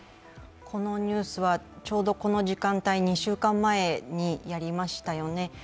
このニュースはちょうどこの時間帯、２週間前にやりましたよね。